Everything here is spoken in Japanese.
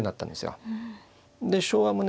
で昭和もね